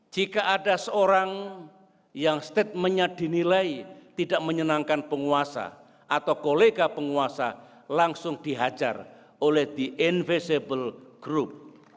jika ada seorang yang statementnya dinilai tidak menyenangkan penguasa atau kolega penguasa langsung dihajar oleh the invisible group